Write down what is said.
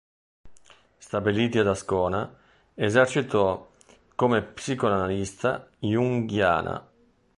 Stabiliti ad Ascona, esercitò come psicoanalista junghiana.